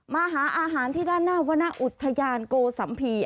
มาหาอาหารที่ด้านหน้าวรรณอุทยานโกสัมภีร์